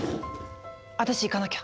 私行かなきゃ！